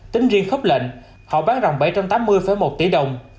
tính riêng khớp lệnh họ bán rộng bảy trăm tám mươi một tỷ đồng